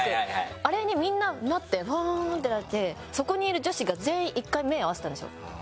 あれにみんななってふわんってなってそこにいる女子が全員一回目合わせたんですよ。